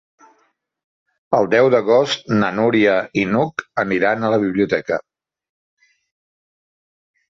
El deu d'agost na Núria i n'Hug aniran a la biblioteca.